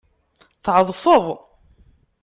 Tɛeḍseḍ.